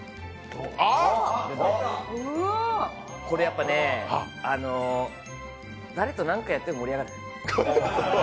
これ、やっぱね、誰と何回やっても盛り上がる。